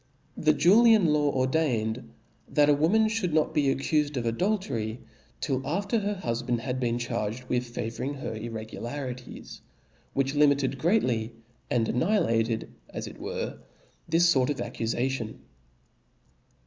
, The Julian law ordained that a woman fhould not be accufed of adultery, till after her hufband had been charged with favouring her irregularities ; which limited greatly, and annihilated, as it were, this fort of accufation f .